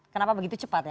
kenapa begitu cepat ya